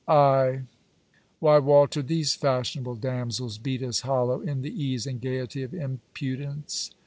I Why, Walter, these fashionable damsels beat us hollow in the ease and gaiety of impudence.